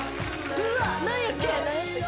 うわっ何やっけ？